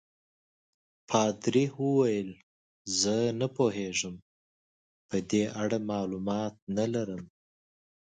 پادري وویل: زه نه پوهېږم، په دې اړه معلومات نه لرم.